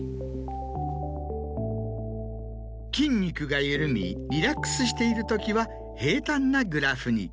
・筋肉が緩みリラックスしているときは平たんなグラフに。